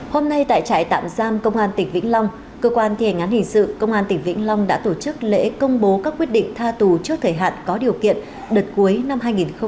hôm nay tại trại tạm giam công an tỉnh vĩnh long cơ quan thi hành án hình sự công an tỉnh vĩnh long đã tổ chức lễ công bố các quyết định tha tù trước thời hạn có điều kiện đợt cuối năm hai nghìn hai mươi ba